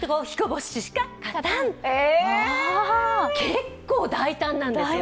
結構大胆なんですよ。